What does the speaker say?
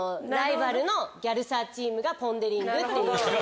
ギャルサーチームがポンデリングっていう。